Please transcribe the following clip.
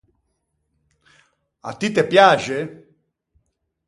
À ti te piaxe?